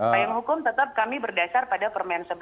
payung hukum tetap kami berdasar pada permen sebelas